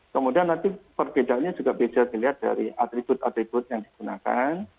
kemudian nanti perbedaannya juga bisa dilihat dari atribut atribut yang digunakan